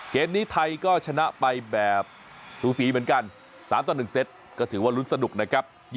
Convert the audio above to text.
เกมนี้ไทยก็ชนะไปแบบสูสีเหมือนกัน๓ต่อ๑เซตก็ถือว่าลุ้นสนุกนะครับ